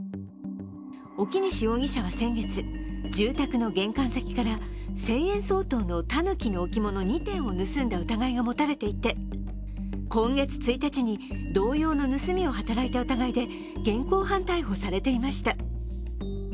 沖西容疑者は先月、住宅の玄関先から１０００円相当のたぬきの置物２点を盗んだ疑いが持たれていて、今月１日に同様の盗みを働いた疑いで現行犯逮捕されていました。